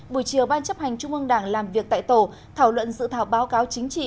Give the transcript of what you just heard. buổi chiều ban chấp hành trung ương đảng làm việc tại tổ thảo luận dự thảo báo cáo chính trị